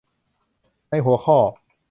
ในหัวข้อ